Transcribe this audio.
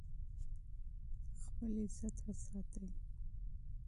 خپل عزت وساتئ.